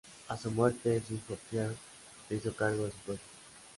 A su muerte, su hijo Pierre se hizo cargo de su puesto.